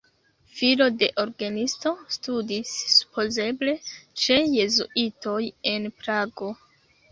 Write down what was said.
Filo de orgenisto, studis supozeble ĉe jezuitoj en Prago.